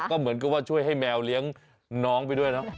ก็เหมือนกับว่าช่วยให้แมวเลี้ยงน้องไปด้วยเนาะ